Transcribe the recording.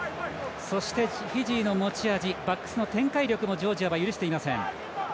そしてフィジーの持ち味バックスの展開力もジョージアは許していません。